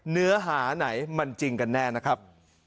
เนื้อหาไหนมันจริงกันแน่นะครับ